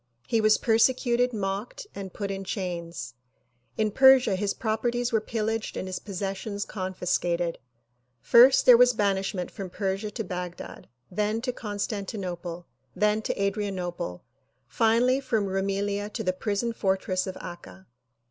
He was persecuted, mocked and put in chains. In Persia his properties were pillaged and his possessions confiscated. P'irst, banishment 26 THE PROMULGATION OF UNIVERSAL PEACE from Persia to Baghdad ; then to Constantinople ; then to Adrian ople ; finally from Roumelia to the prison fortress of Akka.